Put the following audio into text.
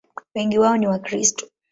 Wengi wao ni Wakristo.